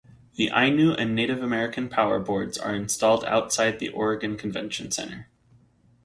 The Ainu and Native American power boards are installed outside the Oregon Convention Center.